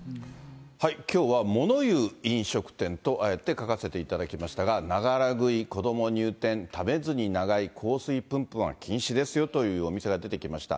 きょうは物言う飲食店とあえて書かせていただきましたが、ながら食い、子ども入店、食べずに長居、香水ぷんぷんは禁止ですよというお店が出てきました。